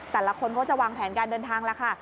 แต่ละคนก็จะวางแผนการเดินทางแล้วค่ะ